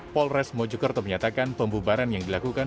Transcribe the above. polres mojokerto menyatakan pembubaran yang dilakukan